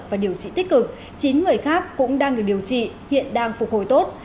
và điều trị tích cực chín người khác cũng đang được điều trị hiện đang phục hồi tốt